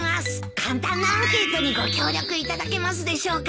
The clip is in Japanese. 簡単なアンケートにご協力いただけますでしょうか。